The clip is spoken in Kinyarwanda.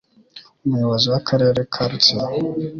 Umuyobozi w'Akarere ka Rutsiro